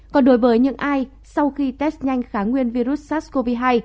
còn đối với những ai sau khi test nhanh kháng nguyên virus sars cov hai